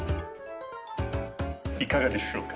いかがでしょうか？